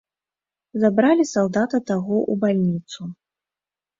Забралі салдата таго ў бальніцу.